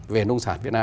về nông sản việt nam